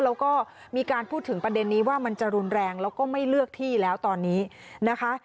แล้วก็มีการพูดถึงประเด็นนี้ว่ามันจะรุนแรงแล้วก็ไม่เลือกที่แล้วตอนนี้นะคะ